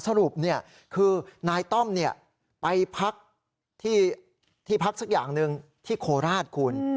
สรุปเนี่ยคือนายต้อมเนี่ยไปพักที่พักสักอย่างนึงที่โคราชคุณ